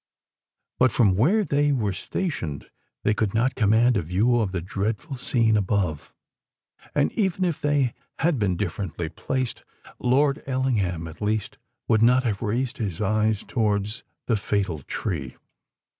But from where they were stationed they could not command a view of the dreadful scene above: and even if they had been differently placed, Lord Ellingham at least would not have raised his eyes towards the fatal tree!